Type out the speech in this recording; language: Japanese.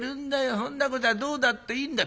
そんなことはどうだっていいんだよ。